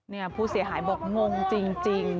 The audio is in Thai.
เนี่ยผู้เสียหายบอกงงจริง